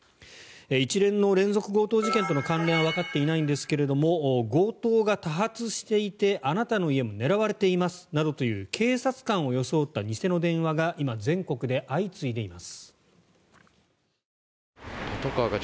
一連の連続強盗事件との関連はわかっていないんですが強盗が多発していてあなたの家も狙われていますなどという警察官を装った偽の電話が今、全国で相次いでいます。